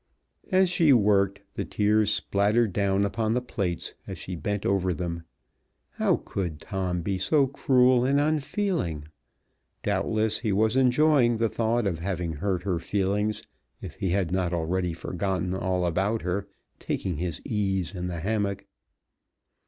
As she worked the tears splattered down upon the plates as she bent over them. How could Tom be so cruel and unfeeling? Doubtless he was enjoying the thought of having hurt her feelings, if he had not already forgotten all about her, taking his ease in the hammock.